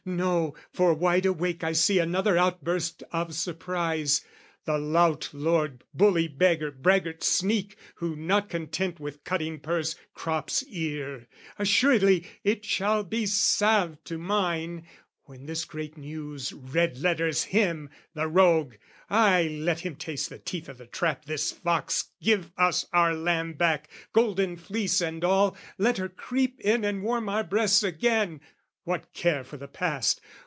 No, for wide awake "I see another outburst of surprise: "The lout lord, bully beggar, braggart sneak, "Who not content with cutting purse, crops ear "Assuredly it shall be salve to mine "When this great news red letters him, the rogue! "Ay, let him taste the teeth o' the trap, this fox, "Give us our lamb back, golden fleece and all, "Let her creep in and warm our breasts again! "What care for the past?